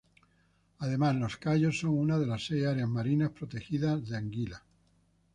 Además, los cayos son una de las seis áreas marinas protegidas de Anguila.